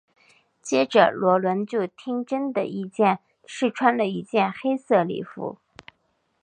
接着萝伦就听珍的建议试穿了一件黑色礼服。